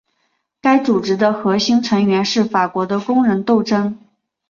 该组织的核心成员是法国的工人斗争。